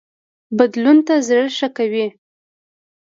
بدلون ته زړه ښه کوي